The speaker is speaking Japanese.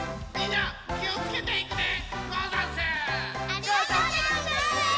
ありがとうでござんす！